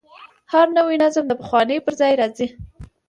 هر نوی نظم د پخواني پر ځای راځي.